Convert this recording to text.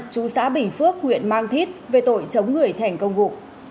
chú xã bình phước huyện mang thít về tội chống người thành công vụ